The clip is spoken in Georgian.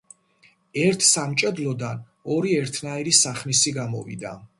ერთ სამჭედლოდან ორი ერთნაირი სახნისი გამოვიდა